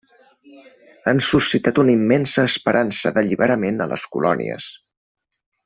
Han suscitat una immensa esperança d'alliberament a les colònies.